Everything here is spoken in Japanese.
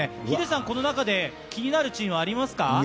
ヒデさん、この中で気になるチームありますか？